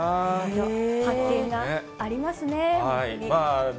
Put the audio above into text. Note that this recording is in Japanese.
発見がありますね、本当に。